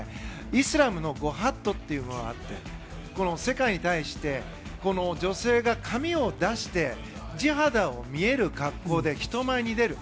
イスラムの御法度というものがはって世界に対して、女性が髪を出して地肌が見える格好で人前に出る。